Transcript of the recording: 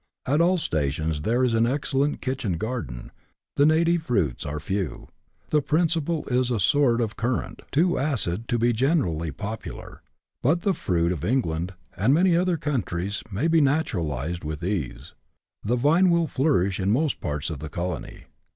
At all stations there is an excellent kitchen garden ; the native fruits are few ; the principal is a sort of currant, too acid to be generally popular, but the fruits of England and many other countries may be naturalized with ease : the vine will flourish in most parts of the colony.